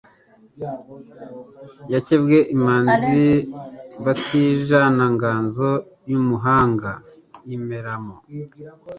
Yakebwe imanzi batijanaInganzo y' umuhanga iyimeramo